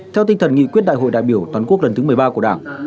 theo tinh thần nghị quyết đại hội đại biểu toàn quốc lần thứ một mươi ba của đảng